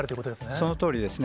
そのとおりですね。